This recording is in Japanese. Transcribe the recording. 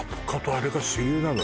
あれが主流なの？